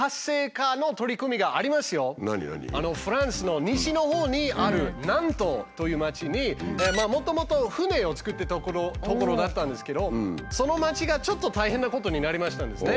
フランスの西のほうにあるナントという街にもともと船を造ってた所だったんですけどその街がちょっと大変なことになりましたんですね。